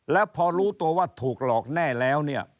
แล้วพอรู้ตัวว่าถูกหลอกแน่แล้วเนี่ย